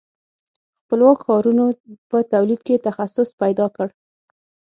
خپلواکو ښارونو په تولید کې تخصص پیدا کړ.